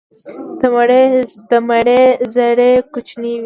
د مڼې زړې کوچنۍ وي.